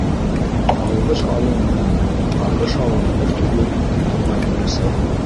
«Алғыш алыу менән ҡарғыш алыу бер түгел», - ти торғайны өләсәһе.